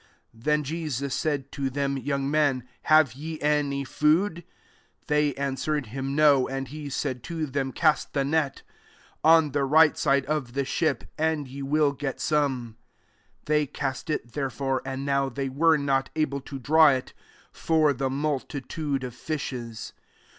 5 Then Jesus said to them, " Yoimg men, have ye any food?" They answered him, « No." 6 And he said to them, " Cast the net on. the right side of the ship, and ye will get 3ome,^ They cast iV, therefore : and now they were not able to draw it, for the multitude of fishes.